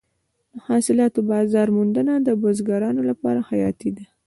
د حاصلاتو بازار موندنه د بزګرانو لپاره حیاتي ده.